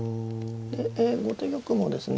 ええ後手玉もですね